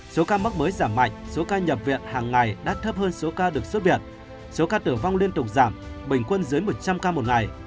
số ca mắc mới giảm mạnh số ca nhập viện hàng ngày đã thấp hơn số ca được xuất viện số ca tử vong liên tục giảm bình quân dưới một trăm linh ca một ngày